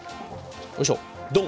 よいしょドン！